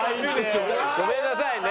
ごめんなさいね。